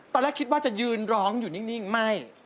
ไปคุยกันสองคนเลย